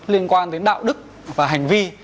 liên quan đến đạo đức và hành vi